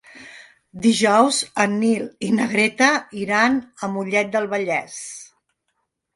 Dijous en Nil i na Greta iran a Mollet del Vallès.